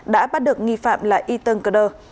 đã bắt được nghi phạm là y tân cơ đơ